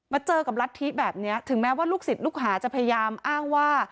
เจอกับรัฐธิแบบนี้ถึงแม้ว่าลูกศิษย์ลูกหาจะพยายามอ้างว่า